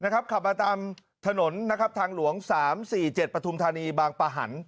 ขับมาตามถนนทางหลวง๓๔๗ปฐุมธานีบางปะหัน